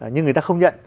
nhưng người ta không nhận